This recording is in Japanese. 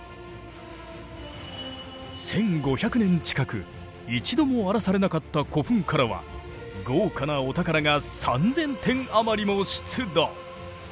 １，５００年近く一度も荒らされなかった古墳からは豪華なお宝が３，０００点余りも出土！